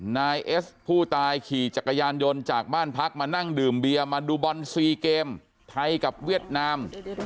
นายเอสผู้ตายขี่จักรยานยนต์จากบ้านพักมานั่งดื่มเบียมาดูบอลซีเกมไทยกับเวียดนาม